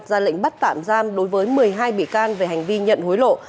ra lệnh bắt tạm giam đối với một mươi hai bị can về hành vi nhận hối lộ